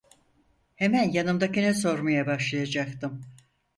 Hemen yanımdakine sormaya başlayacaktım.